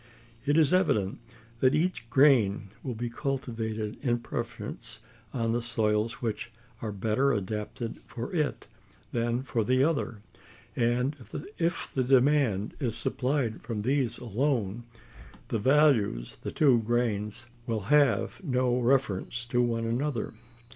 It is evident that each grain will be cultivated in preference on the soils which are better adapted for it than for the other; and, if the demand is supplied from these alone, the values of the two grains will have no reference to one another.